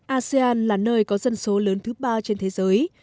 asean là nơi có dân số lớn thứ ba trên thế giới